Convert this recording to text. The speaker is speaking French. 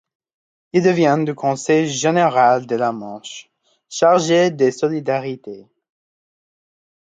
Il devient du conseil général de la Manche, chargé des Solidarités.